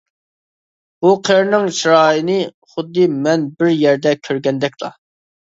بۇ قىرىنىڭ چىرايىنى خۇددى مەن بىر يەردە كۆرگەندەكلا.